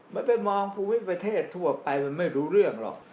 มันไปมองภูมิประเทศทั่วไปมันไม่รู้เรื่องหรอก